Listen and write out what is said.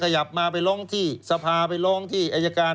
ขยับมาไปร้องที่สภาไปร้องที่อายการ